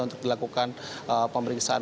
untuk dilakukan pemeriksaan